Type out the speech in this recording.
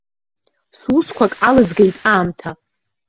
Сусқәак алызгеит аамҭа.